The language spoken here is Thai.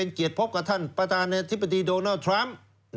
เกียรติพบกับท่านประธานาธิบดีโดนัลด์ทรัมป์